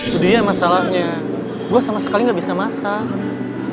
sudah ya masalahnya gue sama sekali gak bisa masak